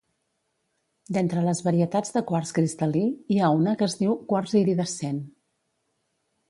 D'entre les varietats de quars cristal·lí hi ha una que es diu "quars iridescent".